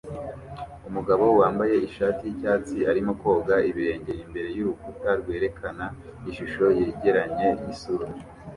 Umugabo wambaye ishati yicyatsi arimo koga ibirenge imbere yurukuta rwerekana ishusho yegeranye yisura